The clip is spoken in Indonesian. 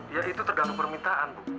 ya itu tergantung permintaan bu